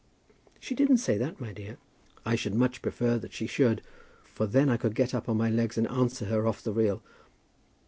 "She didn't say that, my dear." "I should much prefer that she should, for then I could get up on my legs and answer her off the reel."